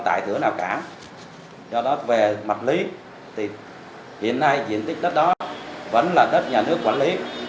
tại cửa nào cả do đó về mặt lý thì hiện nay diện tích đất đó vẫn là đất nhà nước quản lý